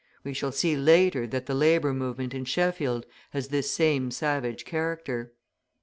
We shall see later that the labour movement in Sheffield has this same savage character.